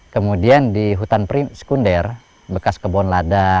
kemudian di hutan sekunder bekas kebon lada